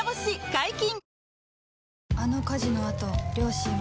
解禁‼